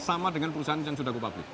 sama dengan perusahaan yang sudah go public